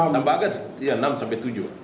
tambahkan enam sampai tujuh